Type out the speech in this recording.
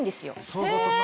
そういうことか。